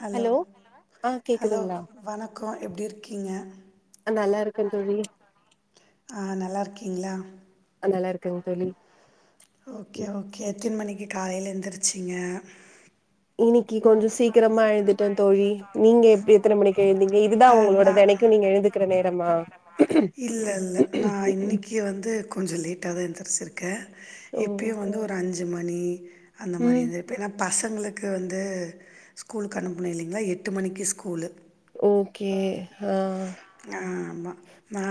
Hello ஆ hello கேக்குதுங்களா வணக்கோ எப்டி இருக்கீங்க ஆ நல்லா இருக்கேன் தோழி ஆ நல்லா இருக்கீங்களா அது நல்லா இருக்கங்க தோழி ஓகே ஓகே எத்தன் மணிக்கு காலில எந்துருச்சிங்க இன்னைக்கு கொஞ்சம் சீக்கிரமா எந்துட்டே தோழி நீங்க எப்டி எத்தன மணிக்கு எழுந்திங்க ஆ நா நீங்க எழுந்திக்கிற நேரமா இல்ல இல்ல நா இன்னைக்கு க்கு வந்து கொஞ்சோ லேட்டா தா எந்தச்சிருக்கே ஓ எப்பயும் வந்து ஒரு அஞ்சு மணி அந்த மாரி ம் எந்திரிப்பே ஏன்னா பசங்களுக்கு வந்து ந்து ஸ்கூலுக்கு அனுப்பனு இல்லைங்ளா எட்டு மணிக்கு ஸ்கூலு ஓகே ஆ ஆமா நா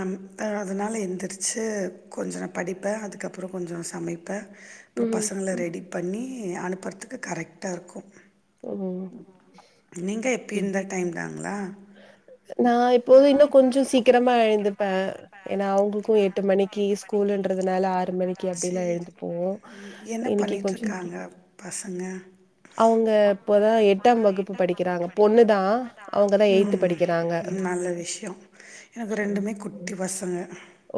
அதனால எந்திரிச்சு கொஞ்ச படிப்பே அதுக்கப்றோ கொஞ்சோ சமைப்பே அப்பற ம் பசங்கள ரெடி பண்ணி அனுப்புறதுக்கு கரெக்டா இருக்கும் ம் நீங்க எப்பயு ம் இந்த டைம் தாங்களா நா எப்போதும் இன்னும் கொஞ்சோ சீக்கிரமா எழுந்துப்பே ஏன்னா அவங்களுக்கும் எட் அப்டிலாம் சேரி எழுந்துப்போம் ம் என்ன இன்னைக்கு பண்ணிட்டு இருக்காங்க பசங்க அவுங்க இப்பதா எட்டாம் வகுப்பு படிக்கிறாங்க பொண்ணு தா அவுங்கதா அவங்க எய்த்து அவங்கதான் படிக்கிறா ம் நல்ல விஷ்யோ எனக்கு ம். ரெண்டுமே குட்டி பசங்க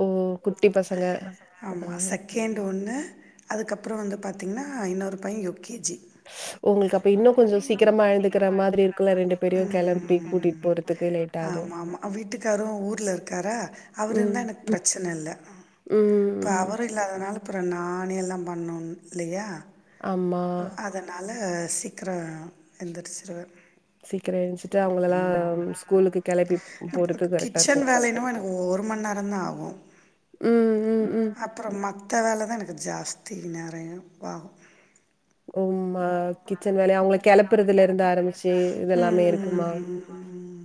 ஓ குட்டி பசங்க ஆ கேண்டு ஒன்னு அதுக்கப்றோ வந்து பாத்தீங்னா இன்னொரு பையே யு கே ஜி உங்களுக்கு இன்னும் உங்ளுக்கு அப்ப கொஞ்சம் இன்னு கொஞ்சோ எழுந்துக்கிற சீக்கிரமா மாதிரி எழுந்துக்கிற இருக்கும்ல மாதிரி இருக்கூ பேரையும் கெளப்பி ம் கூட்டிட்டு ம் போறதுக்கு லேட் ஆகும். ஆமா ஆமா வீட்டுக்காரு ஊர்ல இருக்காரா அவுர் ம். இருந்தா எனக் பிரச்சன இல்ல ம், இப்ப ம். அவரு இல்லாதனால அப்றோ நானே எல்லா பண்ணோனு இல்லியா ஆமா அதனால சீக்கரோ எந்திரச்சிருவே சீக்கிரம் எழுந்துச்சுட்டு அவங்களலாம் ம் ஸ்கூலுக்கு கெளப்பி நம்மளுக்கு போறதுக்கு கரெக்ட்டா கிச்சன் இருக்கும். வேல என்னவே எனக் ஓ ஒரு மண் நேரந்தா ஆகோ ம், ம், ம். அப் ப்றோ மத்த வேல தா எனக்கு ஜாஸ்தி நெறைய வாகும் ம் ஆ கிச்சன் வேலயு அவுங்ள கெளப்புறதுலருந்து ஆரம்பிச்சு இதெல்லாமே இருக்குமா ம்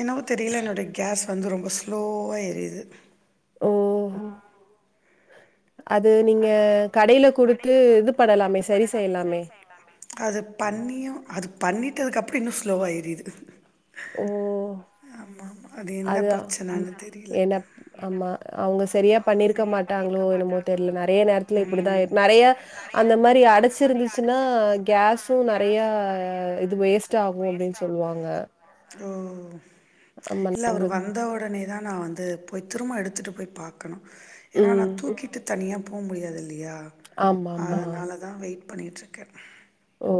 என்னவோ தெரியல என்னோட கேஸ் வந்து ரொம்ப ஸ்லோவா எரியுது ஓ அது நீங்க கடைல குடுத்து இது பண்ணலாமே சரி செய்லாமே அது பண்ணியு அது பண்ணிட்டதுக்கப்றோ இன்னு ஸ்லோவா எரிது ஓ ஆமா ஆமா அது என்ன அதான். பிரச்சனனு தெரில ஏன்னா ஆமா அவுங்க ஸ் செரியா பண்ணிருக்க மாட்டாங்ளோ என்னமோ தெரில நெறைய நேரத்தில இப்டிதா நறைய அந்த மாரி அடச் ச்சு இருந்துச்சுனா கேஸு நறைய இது வேஸ்ட் ஆகும் அப்டின் சொல்லுவாங்க ஓ ஆமா இல்ல அவரு நம்மளுக்கு வந்த ஒடனே தா நா வந்து போய் திரும்ப எடுத்துட்டு போய் பாக் ஏனா நா ம். தூக்கிட்டு தனியா போ முடியாது இல்லியா ஆமாமா. அதனால தா வெயிட் பண்ணிட்ருக்கே ஓ!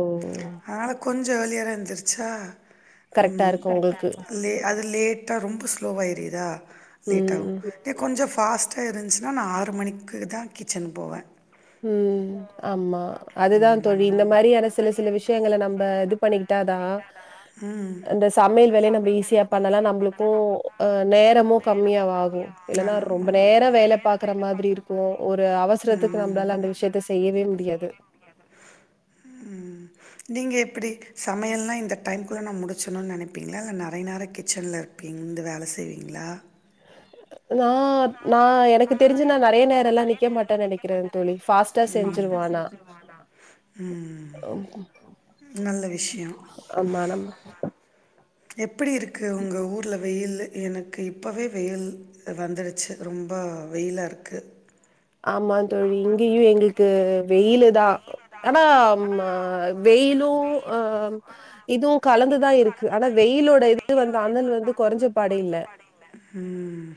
அதனால கொஞ்ச இயர்லியரா எந்ரிச்சா கரெக்ட்டா ம் இருக்கும் கரெக்டா உங்களுக்கு. இருக்கோ லே அது லேட்டா ரொம்ப ஸ்லோவா எரியிதா லேட் ஆவும் ம். இதே கொஞ்ச ஃபாஸ்ட்டா எருஞ்ச்சுனா நா ஆறு மணிக்கு தா கிச்சன் போவே ம் ஆமா அதுதா தோழி இந்த மாரியான சில சில விஷயங்கள நம்ம இது பண்ணிக்கிட்டாதா ம் நம்ப சமையல் வேலயு நம்ப பண்ணலாம். ஈஸியா பன்னலா நம்மளுக்கும் நம்ளுக்கும் அ ம் நேரமு கம்மியா ஆமா ம்ப நேரா வேல பாக்கற மாதிரி இருக்கோ ஒரு அவசரத்துக்கு நம்மளால அந்த விஷயத்த செய்யவே முடியாது ம் நீங்க எப்டி சமையல்லா இந்த டைம்குள்ள நா முடிச்சிண்ணுன் நெனப்பீங்ளா இல்ல நறைய நேர கிச்சன்ல இரு பிங் இந்து வேல செய்வீங்ளா நா நா எனக்கு தெரிஞ்சு நா நறைய நேரல்லா நிக்க மாட்டேனு நெனைக்கிறே தோழி ஃபாஸ் ம் ஃபாஸ்டா செஞ்சிருவே நா ம் நல்ல விஷ்யோ ஆமா நம்ம எப்டி இருக்கு உங்க ஊர்ல வெயில்லு எனக்கு இப்பவே வெயில் வந்துடுச் ச்சு ரொம்போ வெயிலா இருக்கு ஆமா தோழி இங்கேயு எங்ளுக்கு வெயிலு தா ஆனா ம வெயிலும் ஆ இதுவு கலந்துதா இருக்கு ஆனா வெயிலோட இது வந்து அணல் வந்து கொறஞ்ச பாடே இல்ல ம்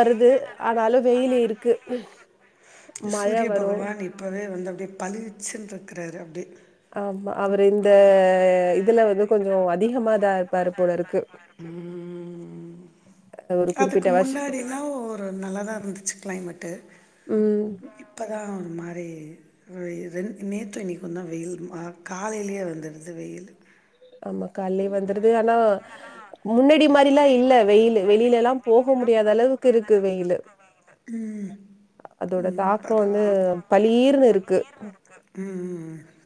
லேட்டா வருது ஆனாலும் வெயிலு இருக்கு இது மழ சூரிய வரும். பகவான் இப் பவே வந்து அப்டியே பலிச்சு இருக்குறாரு அப்டியே ஆமா அவர் இந்த இதுல வந்து கொஞ்சோ அதிகமாதா இருப்பாரு போல இருக்கு ம் ஒரு அதுக்கு குறிப்பிட்ட வருஷ முன்னாடிலா ஒரு நல்லாதா இருந்துச்சு கிளைமேட்டு ம் இப்பதா ஒருமாரி வெ நேத்து இன்னிக்குந்தா வெயில் மா காலையிலயே வந்துடுது வெயிலு ஆமா காலைலயே வந்துடுது ஆனா முன்னாடி மாரில்லா இல்ல வெயிலு வெளியிலல்லா போக முடியாத அளவுக் க்கு இருக்கு வெயிலு ம் அதோட ம் தாக்கோ வந்து பரவாயில்ல பலீர்ன்னு இருக்கு ம் ம் ம்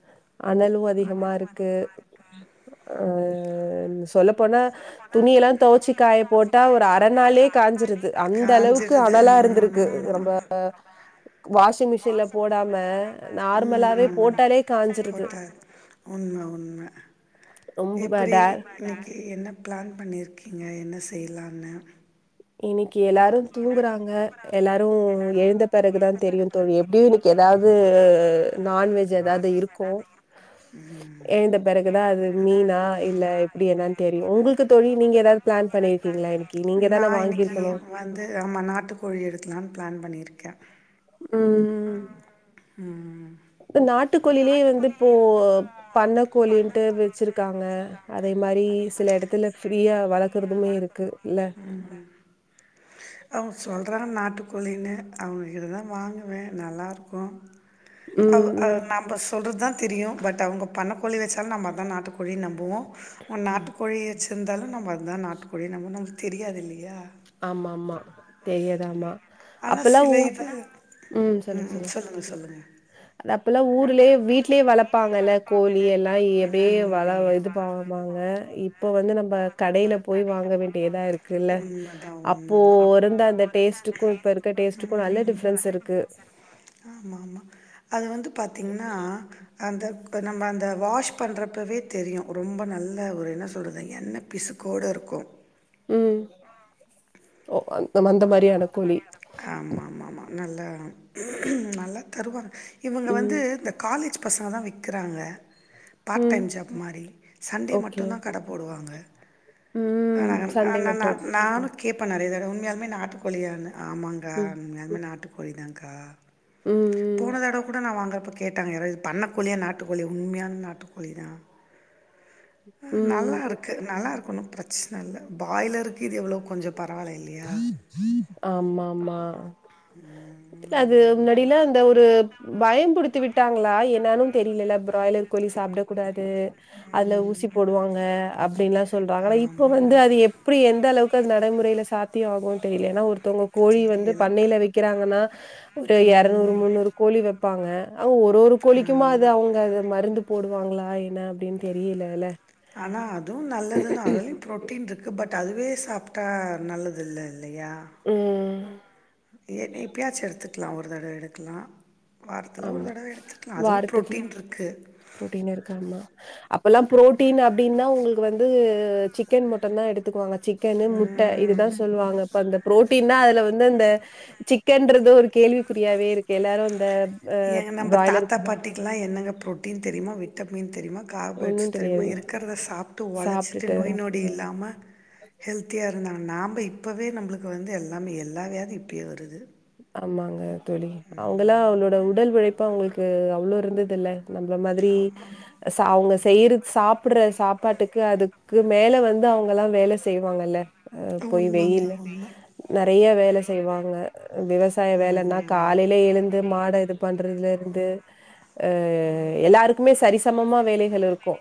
அனலும் அதிகமாயிருக்கு அ சொல்ல போனா துணியெல்லா துவச்சி காய போட்டா ஒரு அறநாளே காஞ்சிருது அந்த அளவுக்கு காஞ்சிடுது அனலா ஆமாம் இருந்திருக் கு ஆமாம் ரொம்பா வாஷிங் மிஷின்ல போடாம நார்மலாவே போட்டாலே காஞ்சிரு போட்டா உண்ம உண்ம ரொம்ப எப்டி இன்னிக் என்ன ப்ளான் பண்ணியிருக்கீங்க என்ன செய்லான்னு இன்னிக்கு எல்லாரு தூங்குறாங்க எல்லாரு எழுந்த பிறகுதா தெரியு தோழி எப்டியு இன்னிக் எதாது நான்வெஜ் ஏதாது இருக்கு ம் எழுந்த பிறகுதா அது மீனா இல்ல எப்டி என்னனு தெரியு உங்களுக்கு தோழி நீங்க எதாது பிளான் பண்ணியிருக்கீங்ளா இன்னிக்கி நீங்க நா தானே இன்னிக்கி வாங்கியிருக்கணும். வந்து ஆமா நாட்டு கோழி எடுக்கலான்னு பிளான் பண்ணியிருக்கே ம் ம் இந்த நாட்டுக்கோழிலயே வந்து இப்போ பண்ணக்கோழின்டு வெச்சிருக்காங்க அதேமாரி சில எடத்துல ஃப்ரீயா வளக்கறதுமே இருக்கு இல்ல அவுங்க சொல்றா நாட்டுக்கோழின்னு அவுங்ககிட்ட தா வாங்குவே நல்லாயிருக்கும் அவ் ம், அ ம். நா பஸ் சொல்றதா தெரியு பட் அவுங்க பண்ணக்கோழி வெச்சாலு நம்ம அதா நாட்டுக்கோழினு நம்புவோ அவ நாட்டுக்கோழி வெச் ருந்தாலும் நம்ம அதுதா நாட்டுக்கோழி நம்பனோ அது தெரியாது இல்லயா ஆமாமா. தெரியாது ஆமா. ஆனா அப்பல்லாம் உ சில இது ம் சொல்லுங்க சொல்லுங்க அது அப்பல்லா ஊர்லேயே வீட்லேயே வளப்பாங்கல்ல கோழி எல்லா எப்டே வள இது ப பாங்க இப்ப வந்து நம்ம கடையில போய் வாங்க வேண்டியதா இருக்கு இல்ல உண்மதா உண்மதா டேஸ்ட்டுக்கு இப்ப இருக்க டேஸ்ட்டுக்கு நல்ல ம் டிஃப்ரென்ஸ் இருக்கு ஆமாம்மா அது வந்து பாத்தீங்னா அந்த நம்ம அந்த வாஷ் பண்றப்பவே தெரியு ரொம்ப நல்ல ஒரு என்ன சொல்றது எண்ண பிசுக்கோட இருக்கும் ம் அந் அந்தமாரியான கோழி ஆம்மாம்மா ஆமா நல்லா நல்லா தருவாங்க இவுங்க வந்து ம் இந்த காலேஜ் பசங்கதா விக்றாங்க பார்ட் ம் டைம் ஜாப்மாரி சண்டே ஓகே மட்டுதா கட போடுவாங்க ம் ஆ சண்டே ஆ நா மட்டு நானு கேப்பே நறைய தடவ உண்மயாலுமே நாட்டுக்கோழியானு ஆமாக்கா ம் உண்மையாலுமே நாட்டுக்கோழிதான்கா ம் ம் போனதடவ கூட நா வாங்குறப்ப கேட்டாங்க யாரோ இது பண்ணக்கோழியா நாட்டுக்கோழி உண்மையான நாட்டுக்கோழி தா ஹ ம் நல்லாயிருக் கு நல்லாயிருக்கு ஒன்னு பிரச்சன இல்ல பாய்லருக்கு இது எவ்ளோ கொஞ்சோ பரவாயில்ல இல்லயா ஆம்மாம்மா அது ம் முன்னாடிலா இந்த ஒரு பயம்புடுத்தி விட்டாங்களா என்னானு தெரியலல ப்ராய்லர் கோழி சாப்பிடக்கூடாது அதுல ஊசி போடுவோங்க அப்பிடின்ல்லா சொல்றாங்க ஆனா இப்போ ஆமாம் வந்து ஆமாம் அது எப் ப்டி எந்த அளவுக்கு அது நடைமுறையில சாத்தியகுனு தெரியல ஏன்னா ஒருத்தங்க கோழி வந்து தெரியல பண்ணையில விக்கிறாங்கன்னா ஒரு எரநூறு ம் முன்னூறு கோழி வெப்பாங்க அவுங்க ஒரு ஒரு கோழிக்குமா அது ஆமாம் அவங்க மருந்து போடுவாங்களா என்ன அப்பிடின்னு தெரியிலல்ல ஆனா அதுவு நல்லது தா அதுலயும் புரோட்டீன் இருக்கு பட் அதுவே சாப்ட்டா நல்லதுல்ல இல்லயா ம் ஏன்னா எப்பயாச்சு எடுத்துகலா ஒரு தடவ எடுக்கலா வாரத்துல ஒரு ஆமா தடவ எடுத்துக்கலா அதுவு ப்ரோட்டீன் இருக்கு ப்ரோட்டீன் இருக்கு ஆமா அப்பல்லா ப்ரோட்டீன் அப்டின்னா உங்களுக்கு வந்து சிக்கன் மட்டுந்தா எடுத்துக்குவாங்க சிக் கேன்னு முட்ட இதுதா சொல்லுவாங்க இப்ப அந்த புரோட்டீன் தா அதுல வந்து அந்த சிக்கன்றது ஒரு கேள்விக்குறியாவே இருக்கு எல்லாரு இந்த ஏங்க நம்ப தாத்தா பாட்டிக்குலா என்னங்க ப்ரோட்டீன் தெரியுமா விட் விட்டமின் தெரியுமா கார்போஸ் ஒண்ணும் தெரியுமா தெரியாது. இருக்கிறத சாப்ட்டு ஒழச்சிட்டு சாப்ட்டுட்டு நோய் நொடி இல்லாமா ஹெல்த்தியா இருந்தாங்க நாம்ப இப்போவே நம்பளுக்கு வந்து எல்லாமே எல்லா வியாதி இப்போயே வருது ஆமாங்க தோழி அவுங்களா அவளோட உடல் உழைப்பு அவங்களுக்கு அவ்ளோ இருந்ததுல்ல நம்ள மாதிரி ஆமாம் ஆமாம் ஸ் த அவுங்க செய்யறது சாப்படுற சாப்பாட்டுக்கு அதுக்கு மேல வந்து அவுங்கெல்லா வேல செய்வாங்கேல்ல அஆ போயி உண்மைங்க வெயில உண்மை நறைய வேல செய்வாங்க விவசாய வேலன்னா காலையில எழுந்து மாட இது பண்றதுல இருந்து ஆ எல்லாருக்குமே சரிசமமா வேலைகள் இருக்கும்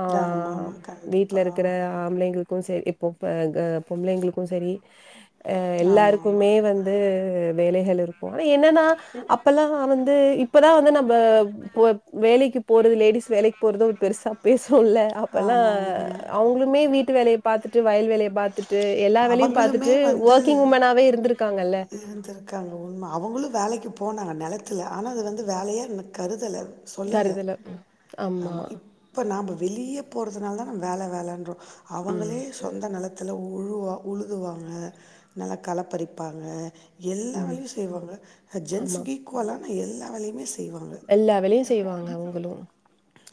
ஆ ஆமாம் ஆமாம் வீட்டுல கண்டிப்பாக இருக்கிற ஆம்பளைங்களுக்கோ செரி பொ ஆ க பொம்பளைங்களுக்கு செரிஆ ஆமாம் எல்லாருக்குமே ஆமாம் வந் ந்து வேலைகள் இருக்கும் ஆனா என்னன்னா அப்பல்லா வந்து இ இப்பதா வந்து நம்ம போ வேலைக்கு போறது லேடிஸ் வேலைக் போறது ஒரு பெருசா பேசுவல்லே அப்பல்லா ஆமாம் உண்மை அவுங்குளுமே வீட்டு வேலைய பாத்துட்டு வயல் வேலைய பாத்துட்டு எல்லா வேலையு அவங்களுமே பாத்துட்டு ஒர்க்கிங் உமனாவே இருந்திருக்காங்கல்ல இருந்துருக்காங்க உண்ம அவுங்களு வேலைக்கு போனாங்க நெலத்தில ஆனா அது வந்து வேலையேனு கருதல சொல்லல கருதல. ம். ஆமா இப் இப்போ நாம்ப வெளியே போறதுனால தான வேல வேலன்றோ ம். அவுங்களே சொந்த நெலத்தில உழுவா உழுதுவாங்க நல்லா களப்பறிப்பாங்க எல்லா ம். வேலையு செய்வாங்க ஆமா. ஜென்சுக்கு ஈக்குவலான எல்லா வேலையுமே செய் ய்வாங்க எல்லா வேலையும் நம்ம செய்வாங்க அம்மா அவங்களும்.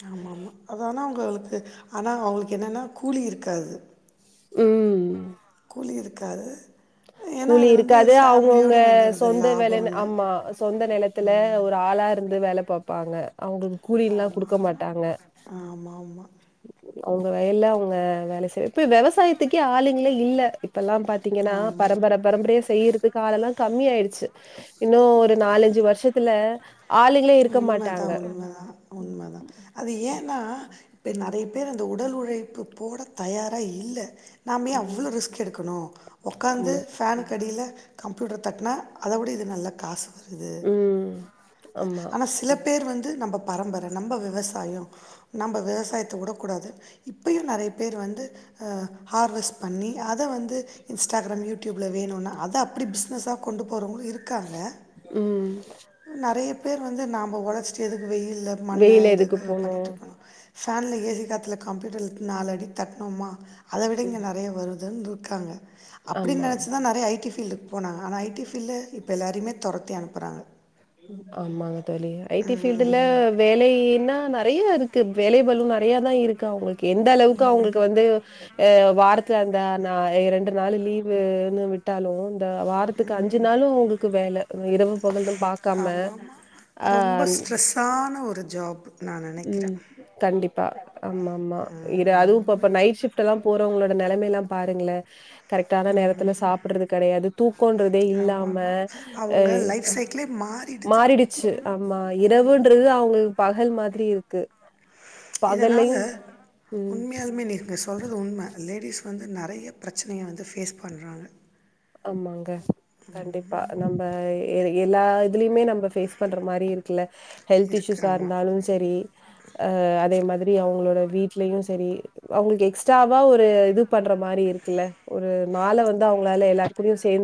ஆமா ஆமா அதானா அவுங்களுக்கு ஆனா அவங்களுக்கு என்னென்னா கூலி இருக்காது ம் கூலி இருக்காது ஏன்னா கூலி அது வந்து இருக்காது அவுங்க அவுங்க ஃபேமிலியோட வந்துடுது சொந்த வேலன்னு லாபம்னு ஆமா சொந்த நெலத்து த்துல ஒரு ஆளா இருந்து வேல பாப்பாங்க அவுங்க கூலில்லா ஆமா குடுக்க மாட்டாங்க ஆமா ஆமா அவுங்க வயல்ல அவுங்க வேல செய் இப்ப விவசாயத்துக்கே ஆளுங்களோ இல்ல இப்பளா பாத்தீங்கன்னா ஆமா பரம்பர பரம்பரயா செய்யறதுக்கு ஆளல்லா கம்மியா ஆயிடுச்சு இன்னு ஒரு நாலஞ்சு வருஷத்துல ஆளுங்களே இருக்க உண்மதா மாட்டாங்க உண்மதா உண்மதா அது ஏன்னா இப்ப நறைய பேர் அந்த உடல் உழைப்பு போட தயாரா இல்ல நாம்ப ஏ ம் அவ்ளோ ரிஸ்க் எடுக்கணோ ஒக்காந்து ஆமா ஃபேனுக்கடியில கம்ப்யூட்டர் தட்டினா அத உட இது நல்ல காசு வருது ம் ஆமா ஆனா சில பேர் வந்து நம்ம பரம்பர நம்ம விவசாயோ நம்ப விவசாயத்த உட கூடாது இப்பயு நறைய பேர் வந்து ஆ ஹார்வஸ் பண்ணி அத வந்து இன்ஸ்டாகிராம் யூடியூபில வேணுனா அத அப்பிடி பிஸ்னஸா கொண்டு போறவங்களு இருக்காங்க ம் நறைய பேர் வந்து நாம உழைச்சிட்டு எதுக்கு வெயில்ல மண்ண வெயில எதுக்கு இதுக்கு போனு பண்ணிட்டு இருக்கணு ஃபேன்ல ஏசி காத்துல கம்ப்யூட்டர்ல நாலு அடி தட்னோமா அத விட இங்க ம் நறையா வருதுன்னு இருக்காங்க அப்டின்னு ஆமா நெனச்சி தா நறைய ஐ டி ஃபீல்டு போனாங்க ஆனா ஐ டி ஃபீல்ட்ல இப்ப எல்லாரயுமே தொரத்தி அனுப்புறாங்க ஆமாங்க தோழி ஐ டி ஃபீல்டுல ம். வேலைன்னா நறைய இருக்கு வேலை பலு நறைய தா இருக்கு அவுங்களுக்கு எந்த அளவுக்கு அவுங்களுக்கு வந்து அ வாரத் துல அந்த ரெண்டு நாள் லீவுன்னு விட்டாலு அந்த வாரத்துக்கு அஞ்சு நாளு அவுங்களுக்கு வேல இரவு பகல்னு பாக் ஆமாமா ரொம்ப ஸ்ட்ரெஸ்ஸான ஒரு ஜாப் நான் ம் நினைக்கிறேன் கண்டிப்பா ஆமா ஆமா இது அதுவு இப்ப நைட் ஸிப்ட் இப்பலா போறவுங்களோட நெலமை எல்லா பாருங்களே கரெக்டான நேரத்துல சாப்புறது கெடையாது தூக்கன்றதே ஆமாம் இல்லாம ஆமாம் ஆ அவங்க லைஃப் சைக்கிளே மாறிடுது மாறிடுச்சு ஆமா இரவுன்றது அவுங்களுக்கு பகல் மாதிரி இரு இதனால ம். உண்மையாலுமே நீ ங்க சொல்றது உண்ம லேடிஸ் வந்து நறைய பிரச்சனைய வந்து ஃபேஸ் பண்றாங்க ஆமாங்க கண்டிப்பா நம்ம எல்லா இதுலயுமே நம்ம ஃபேஸ் பண்ற மாரி இருக்குல்ல ஹெல்த் இருக்கு இஸ்யூஸா ஆமாம் இருந்தாலு செரி ஆ அதே மாதிரி அவுங்களோட வீட்லயு செரி அவுங்களுக்கு எக்ஸ்ட்ராவா ஒரு இது பண்ற மாரி இருக்குல்ல ஒரு நாள வந்து அவுங்களால எல்லா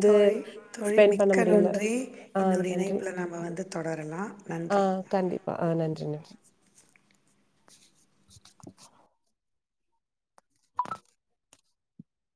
தோழி தோழி மிக்க முடியல நன்றி ஆ இன்னொரு நன்றி இணைப்புல நம்ம வந்து தொடரலா நன் ஆ கண்டிப்பா ஆ நன்றி நன்றி